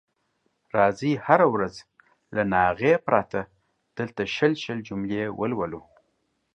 راځئ هره ورځ له ناغې پرته دلته شل شل جملې ولولو.